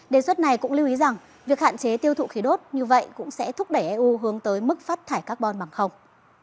đề xuất này cũng lưu ý rằng việc hạn chế tiêu thụ khí đốt như vậy cũng sẽ thúc đẩy eu hướng tới mức phát thải carbon bằng không